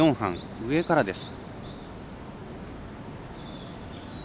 上からです。